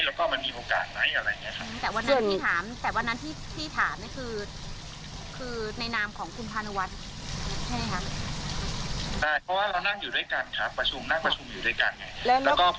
มันก็ต้องปรึกษาการถามกันเป็นธรรมดา